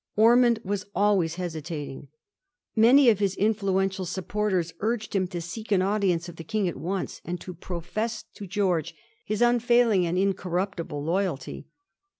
Ormond was always hesitating. Many of his influential supporters urged him to seek an audience of the King at once, and to profess to George his unfailing and incorruptible loyalty.